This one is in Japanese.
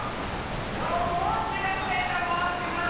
どうももう中学生と申します。